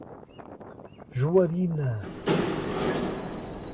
Juarina